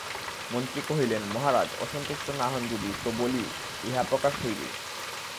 মন্ত্রী কহিলেন, মহারাজ, অসন্তুষ্ট না হন যদি তো বলি ইহা প্রকাশ হইবেই।